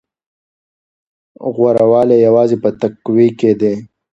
غوره والی یوازې په تقوی کې دی.